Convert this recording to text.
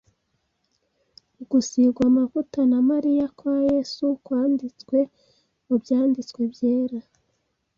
Ugusigwa amavuta na Mariya kwa Yesu kwanditswe mu Byanditswe byera,